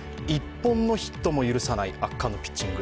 １本のヒットも許さない圧巻のピッチング。